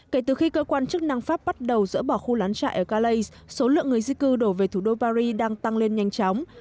kể từ khi cơ quan chức năng pháp bắt đầu dỡ bỏ khu lán trại ở galay số lượng người di cư đổ về thủ đô paris đang tăng lên nhanh chóng